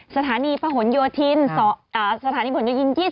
สถานีพระหนุโยทินทร์๒๔